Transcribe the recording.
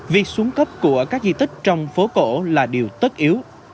việc xuống cấp của các di tích trong phố cổ là điều tất yếu